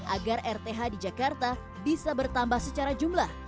agar rth di jakarta bisa bertambah secara jumlah